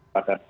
pada ugd kita